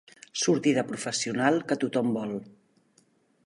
Sortida professional que tothom vol.